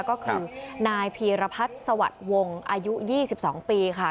ก็คือนายพีรพัฒน์สวัสดิ์วงศ์อายุ๒๒ปีค่ะ